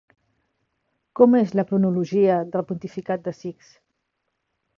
Com és la cronologia del pontificat de Sixt?